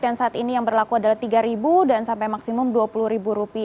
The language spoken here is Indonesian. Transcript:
yang saat ini yang berlaku adalah rp tiga dan sampai maksimum rp dua puluh